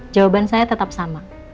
jawaban saya tetap sama